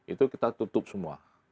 itu kita tutup semua